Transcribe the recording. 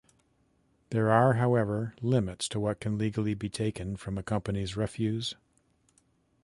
There are, however, limits to what can legally be taken from a company's refuse.